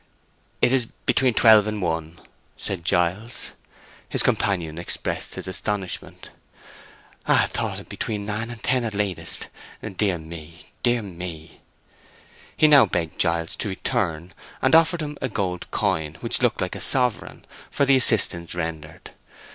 "It is between twelve and one," said Giles. His companion expressed his astonishment. "I thought it between nine and ten at latest! Dear me—dear me!" He now begged Giles to return, and offered him a gold coin, which looked like a sovereign, for the assistance rendered.